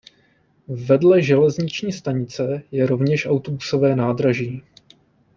Vedle železniční stanice je rovněž autobusové nádraží.